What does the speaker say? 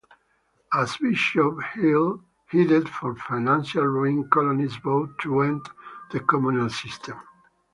As Bishop Hill headed for financial ruin, colonists voted to end the communal system.